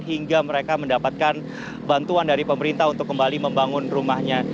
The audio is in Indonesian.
hingga mereka mendapatkan bantuan dari pemerintah untuk kembali membangun rumahnya